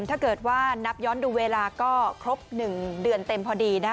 ถ้าเกิดว่านับย้อนดูเวลาก็ครบ๑เดือนเต็มพอดี